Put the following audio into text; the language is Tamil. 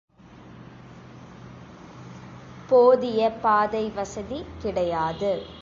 போதிய பாதை வசதி கிடையாது.